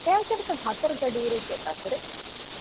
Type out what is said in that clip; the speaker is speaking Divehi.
ގާތްގަނޑަކަށް ހަތަރު ގަޑިއިރުގެ ދަތުރެއް